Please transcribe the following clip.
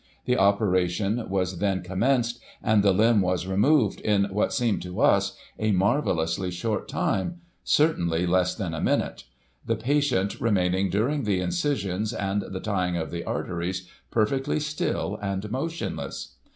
The operation was then commenced, and the limb was removed in, what seemed to us, a marvellously short time — certainly less than a minute ; the patient remaining during the incisions and the tying of the arteries, perfectly still and motionless.